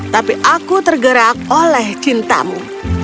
tapi aku tergerak oleh cintamu